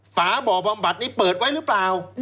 ฝาบ่อบำบัดนี้เปิดไว้หรือเปล่า